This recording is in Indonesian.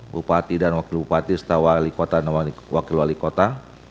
bupati dan wakil bupati setahun wakil wali kota